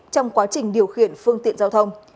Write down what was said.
trong quá trình điều khiển phương tiện giao thông